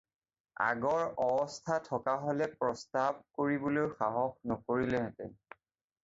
আগৰ অৱস্থা থকা হ'লে প্ৰস্তাৱ কৰিবলৈকে সাহস নকৰিলেহেঁতেন।